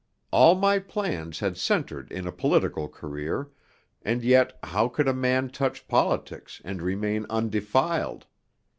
All my plans had centered in a political career, and yet how could a man touch politics and remain undefiled?